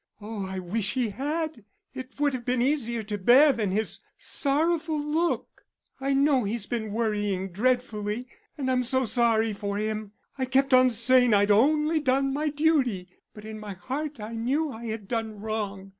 Oh, I wish he had, it would have been easier to bear than his sorrowful look. I know he's been worrying dreadfully, and I'm so sorry for him. I kept on saying I'd only done my duty, but in my heart I knew I had done wrong.